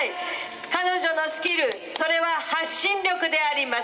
彼女のスキル、それは発信力であります。